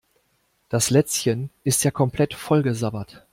Das Lätzchen ist ja komplett vollgesabbert.